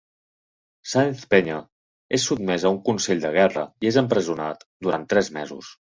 Sáenz Penya és sotmès a un Consell de Guerra i és empresonat durant tres mesos.